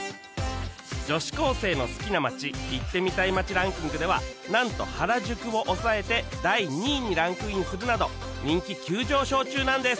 女子高生の好きな街行ってみたい街ランキングではなんと原宿を抑えて第２位にランクインするなど人気急上昇中なんです